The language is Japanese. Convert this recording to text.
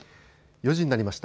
４時になりました。